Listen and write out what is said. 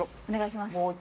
お願いします。